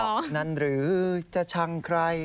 นั่นหรือจะชังใคร